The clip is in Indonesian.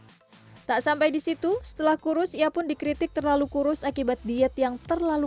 tak sampai di situ setelah kurus ia pun dikritik terlalu kurus akibat diet yang terlalu